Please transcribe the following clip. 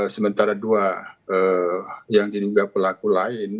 sementara dua yang diduga pelaku lain